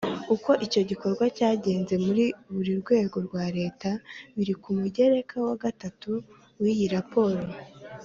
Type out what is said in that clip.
Uko icyo gikorwa cyagenze muri buri rwego rwa Leta biri ku mugereka wa gatatu w iyi raporo